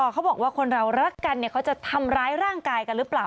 เขาบอกว่าคนเรารักกันเขาจะทำร้ายร่างกายกันหรือเปล่า